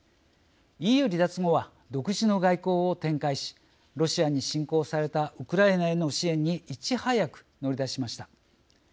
ＥＵ離脱後は独自の外交を展開しロシアに侵攻されたウクライナへの支援にいち早く乗り出しました。